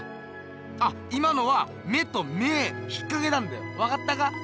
あっ今のは目と芽引っかけたんだよわかったか？